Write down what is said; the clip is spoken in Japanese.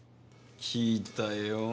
聞いたよ。